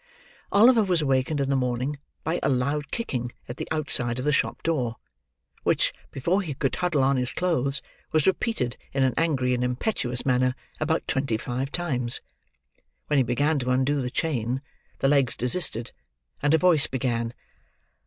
Oliver was awakened in the morning, by a loud kicking at the outside of the shop door: which, before he could huddle on his clothes, was repeated, in an angry and impetuous manner, about twenty five times. When he began to undo the chain, the legs desisted, and a voice began.